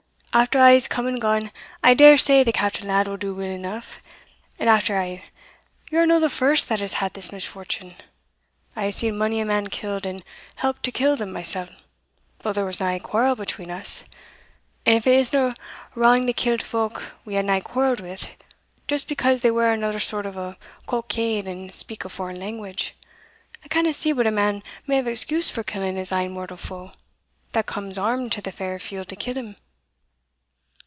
After a's come and gane, I dare say the captain lad will do weel eneugh and, after a', ye are no the first that has had this misfortune. I hae seen mony a man killed, and helped to kill them mysell, though there was nae quarrel between us and if it isna wrang to kill folk we have nae quarrel wi', just because they wear another sort of a cockade, and speak a foreign language, I canna see but a man may have excuse for killing his ain mortal foe, that comes armed to the fair field to kill him.